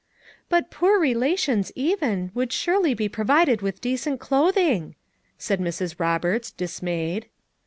"But 'poor relations,' even, would surely be provided with decent clothing!" said Mrs. Roberts, dismayed.